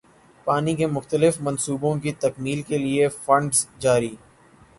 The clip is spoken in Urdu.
پانی کے مختلف منصوبوں کی تکمیل کیلئے فنڈز جاری